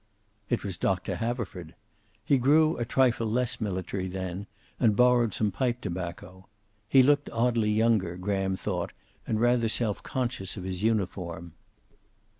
It was Doctor Haverford. He grew a trifle less military then, and borrowed some pipe tobacco. He looked oddly younger, Graham thought, and rather self conscious of his uniform.